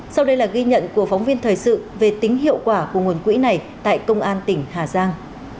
sau đây là ghi nhận của phóng viên thời sự về tính hiệu quả của nguồn quỹ này tại công an tỉnh hà giang